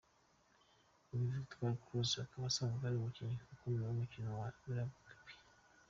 Uyu Victor Cruz akaba asanzwe ari umukinnyi ukomeye w’umukino wa Rugby.